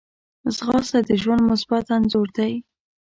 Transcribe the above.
ځغاسته د ژوند مثبت انځور دی